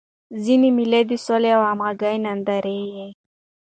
ځيني مېلې د سولي او همږغۍ نندارې يي.